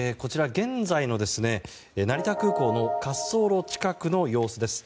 現在の成田空港の滑走路近くの様子です。